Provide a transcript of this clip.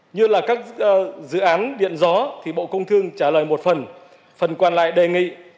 như là các dự án điện gió thì bộ công thương trả lời một phần phần còn lại đề nghị